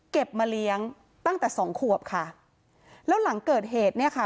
มาเลี้ยงตั้งแต่สองขวบค่ะแล้วหลังเกิดเหตุเนี่ยค่ะ